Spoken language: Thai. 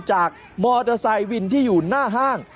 จากมอเตอร์ไซค์วินที่อยู่หน้าห้าง